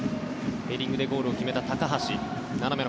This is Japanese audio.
ヘディングでゴールを決めた高橋。